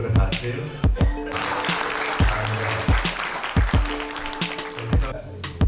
itu relawannya kemarin kan